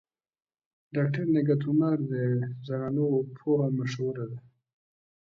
ډاکټر نگهت عمر د زنانو پوهه مشهوره ده.